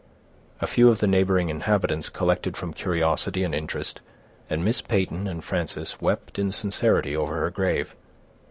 A few of the neighboring inhabitants collected from curiosity and interest, and Miss Peyton and Frances wept in sincerity over her grave.